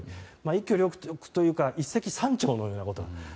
一挙両得というか一石三鳥のようなこと。